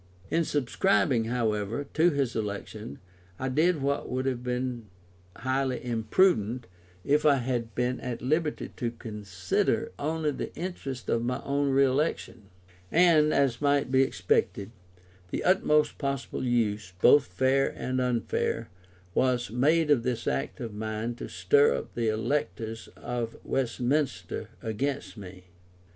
In subscribing, however, to his election, I did what would have been highly imprudent if I had been at liberty to consider only the interests of my own re election; and, as might be expected, the utmost possible use, both fair and unfair, was made of this act of mine to stir up the electors of Westminster against me.